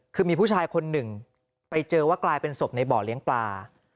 คือมีผู้ชายคนหนึ่งไปเจอว่ากลายเป็นศพในบ่อเลี้ยงปลา